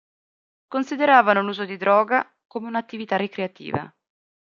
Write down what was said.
Consideravano l’uso di droga come un’attività ricreativa.